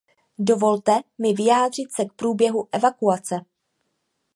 Dovolte mi vyjádřit se k průběhu evakuace.